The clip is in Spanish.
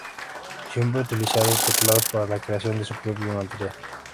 Siempre ha utilizado teclados para la creación de su propio material.